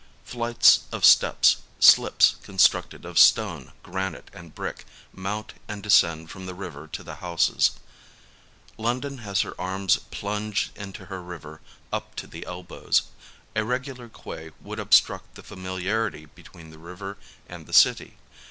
Flights of steps, slips constructed of stone, granite and brick, mount and descend from the river to the houses. London has her arms plunged into her river up to the elbows : a regular quay would obstruct the familiarity be tween the river and the city.